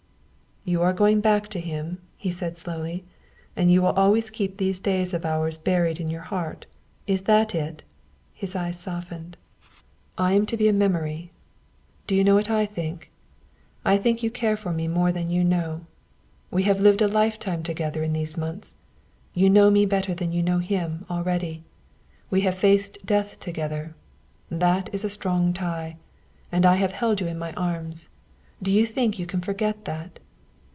"You are going back to him," he said slowly; "and you will always keep these days of ours buried in your heart. Is that it?" His eyes softened. "I am to be a memory! Do you know what I think? I think you care for me more than you know. We have lived a lifetime together in these months. You know me better than you know him, already. We have faced death together. That is a strong tie. And I have held you in my arms. Do you think you can forget that?"